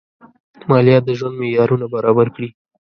مالیات د ژوند معیارونه برابر کړي.